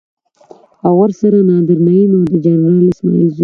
او ورسره نادر نعيم او د جنرال اسماعيل زوی.